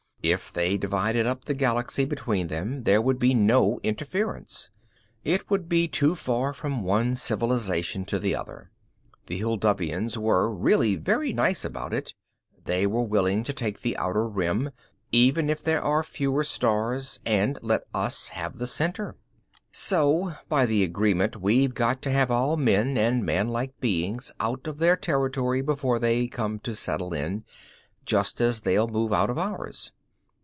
If they divided up the Galaxy between them, there would be no interference; it would be too far from one civilization to the other. The Hulduvians were, really, very nice about it. They're willing to take the outer rim, even if there are fewer stars, and let us have the center. "So by the agreement, we've got to have all men and manlike beings out of their territory before they come to settle it, just as they'll move out of ours.